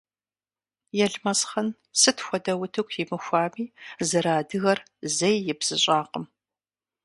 Елмэсхъан сыт хуэдэ утыку имыхуами, зэрыадыгэр зэи ибзыщӏакъым.